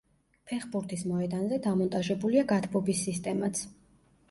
ფეხბურთის მოედანზე დამონტაჟებულია გათბობის სისტემაც.